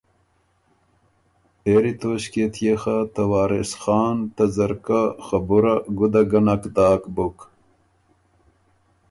پېری توݭکيې تيې خه ته وارث خان ته ځرکۀ خبُره ګُده ګه نک داک بُک۔